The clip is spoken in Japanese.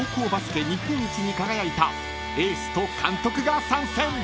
日本一に輝いたエースと監督が参戦］